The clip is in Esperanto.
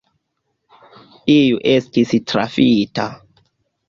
Iu estis trafita.